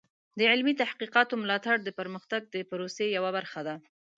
د علمي تحقیقاتو ملاتړ د پرمختګ د پروسې یوه برخه ده.